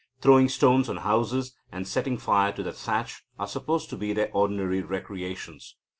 Throwing stones on houses, and setting fire to the thatch, are supposed to be their ordinary recreations.